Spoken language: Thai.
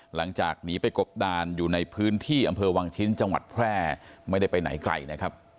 หลังจากหนีไปกบดานอยู่ในพื้นที่อำเภอวังชิ้นจังหวัดแพร่ไม่ได้ไปไหนไกลนะครับ